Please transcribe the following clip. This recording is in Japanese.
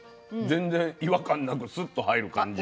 全然違和感なくスッと入る感じ。